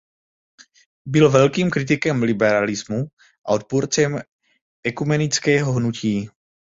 Byl velkým kritikem liberalismu a odpůrcem ekumenického hnutí.